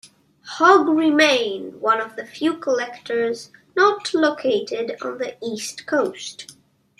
Hogg remained one of the few collectors not located on the East Coast.